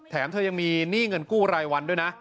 แถมเธอยังมีหนี้เงินกู้รายวันด้วยนะ